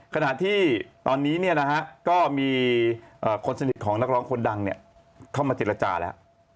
ขณะที่ตอนนี้เนี่ยนะฮะก็มีคนสนิทของนักร้องคนดังเนี่ยเข้ามาจิลจาแล้ว